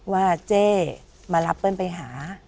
ว่าเจ๊มารับเพื่อนไปหา